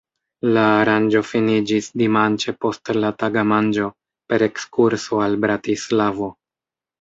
La aranĝo finiĝis dimanĉe post la tagmanĝo per ekskurso al Bratislavo.